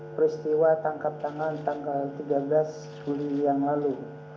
peristiwa tangkap tangan tanggal tiga belas juli yang lalu